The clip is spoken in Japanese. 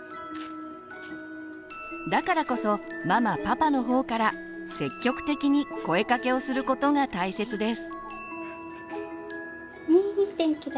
だからこそママパパの方から積極的に声かけをすることが大切です。